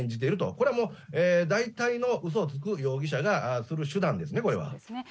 これはもう、大体のうそをつく容疑者がする手段ですね、これはね。